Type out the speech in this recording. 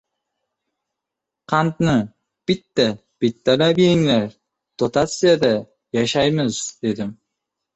— Qandni bitta-bittalab yenglar, dotatsiyada yashaymiz, — dedim.